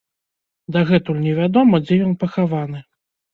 Дагэтуль невядома, дзе ён пахаваны.